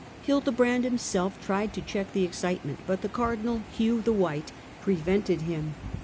" Hildebrand himself tried to check the excitement, but the cardinal Hugh the White, prevented him.